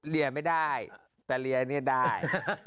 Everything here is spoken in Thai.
เรียนไม่ได้แต่เรียนได้